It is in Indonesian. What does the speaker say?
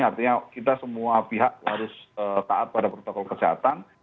artinya kita semua pihak harus taat pada protokol kesehatan